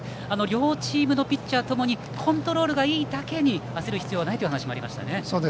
両チームのピッチャーともにコントロールがいいだけに焦る必要はないという話もありましたね。